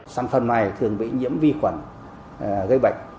sản phẩm này thường bị nhiễm vi khuẩn gây bệnh